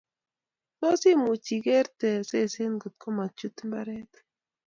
tos imuch ikerte seset ng'ung ko ma chutu mbaret